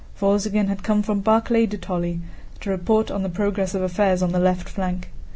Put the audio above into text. Wolzogen had come from Barclay de Tolly to report on the progress of affairs on the left flank.